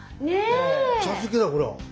お茶漬けだよほら。